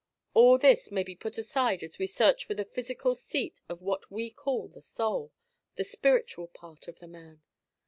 All this may be put aside as we search for the physical seat of what we call the soul the spiritual part of the man.